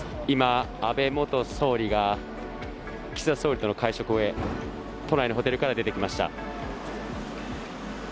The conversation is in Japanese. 今、安倍元総理が岸田総理との会食を終え都内のホテルから出てきました。